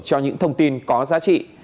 cho những thông tin có giá trị